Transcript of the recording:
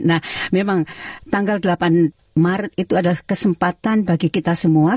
nah memang tanggal delapan maret itu adalah kesempatan bagi kita semua